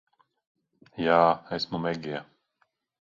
Jā. Esmu Megija.